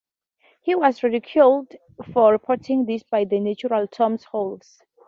He was ridiculed for reporting this by the naturalist Thomas Huxley.